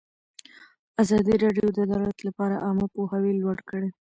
ازادي راډیو د عدالت لپاره عامه پوهاوي لوړ کړی.